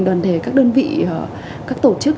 đoàn thể các đơn vị các tổ chức